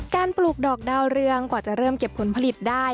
ปลูกดอกดาวเรืองกว่าจะเริ่มเก็บผลผลิตได้